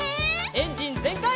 エンジンぜんかい！